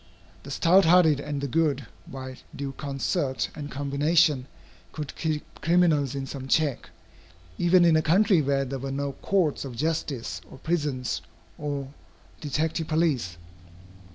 The stout hearted and the good, by due concert and combination, could keep criminals in some check, even in a country where there were no courts of justice, or prisons, or detective police.